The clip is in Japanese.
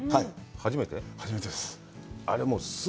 初めてです。